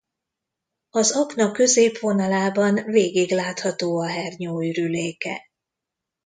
Az akna középvonalában végig látható a hernyó ürüléke.